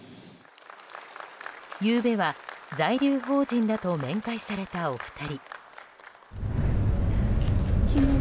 ゆうべは在留邦人らと面会されたお二人。